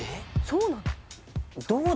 そうなの？